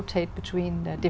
một hệ thống tự do